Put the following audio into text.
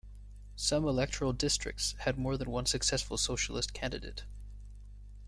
Some electoral districts had more than one successful socialist candidate.